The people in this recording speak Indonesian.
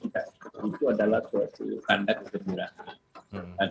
dan itu adalah suatu kandat gembira